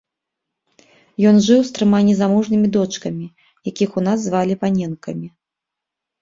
Ён жыў з трыма незамужнімі дочкамі, якіх у нас звалі паненкамі.